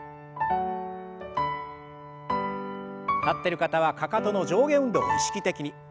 立ってる方はかかとの上下運動を意識的に。